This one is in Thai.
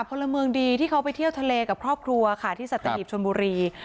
พลเมืองดีที่เขาไปเที่ยวทะเลกับครอบครัวค่ะที่สัตหีบชนบุรี